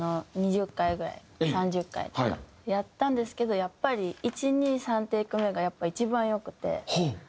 ２０回ぐらい３０回とかやったんですけどやっぱり１２３テイク目が一番良くて。